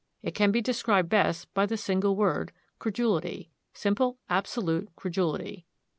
It can be described best by the single word, Credulity; simple, absolute credulity.